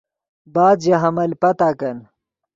بعد ژے حمل پتاکن